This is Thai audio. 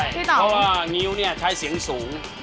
เพราะว่างิ้วเนี่ยใช้เสียงสูง